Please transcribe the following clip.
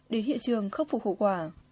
đến hiện trường khắc phục hậu quả